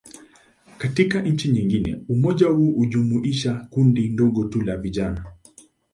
Katika nchi nyingine, umoja huu hujumuisha kundi dogo tu la vijana.